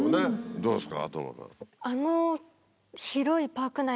どうですか？